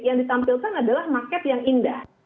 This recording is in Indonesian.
yang ditampilkan adalah market yang indah